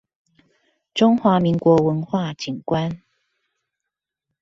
中華民國文化景觀